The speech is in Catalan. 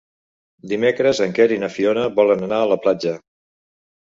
Dimecres en Quer i na Fiona volen anar a la platja.